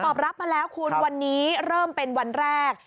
รับมาแล้วคุณวันนี้เริ่มเป็นวันแรก